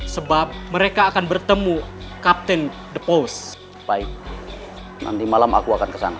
sebab mereka akan bertemu kapten the post by nanti malam aku akan kesana